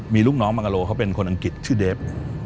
มีลูกน้องบรรกาโลก็เป็นคนอังกฤษชื่อเดฟ